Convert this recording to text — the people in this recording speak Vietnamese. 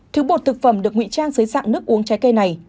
thứ bột thực phẩm được ngụy trang dưới dạng nước uống trái cây này